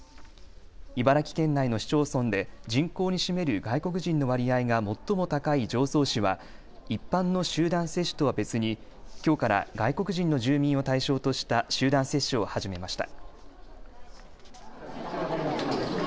茨城県内の市町村で人口に占める外国人の割合が最も高い常総市は一般の集団接種とは別にきょうから外国人の住民を対象とした集団接種を始めました。